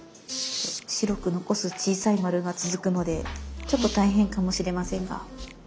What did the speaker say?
白く残す小さい丸が続くのでちょっと大変かもしれませんが。